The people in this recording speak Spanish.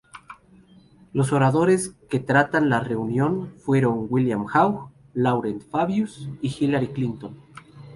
Los oradores que tratan la reunión fueron William Hague, Laurent Fabius y Hillary Clinton.